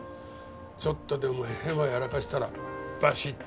ちょっとでもヘマやらかしたらバシッ！